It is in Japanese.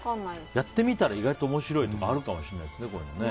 やってみたら意外と面白いとかあるかもしれないですね。